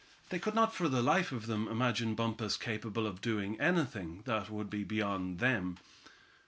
They could not for the life of them imagine Bumpus capable of doing anything that would be beyond them.